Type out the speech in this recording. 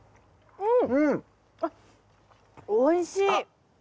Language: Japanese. うん！